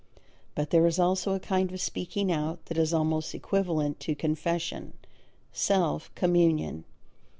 But there is also a kind of speaking out that is almost equivalent to confession self communion.